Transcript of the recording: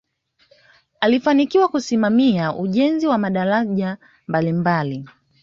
alifanikiwa kusimamia ujenzi wa madaraja mbalimbali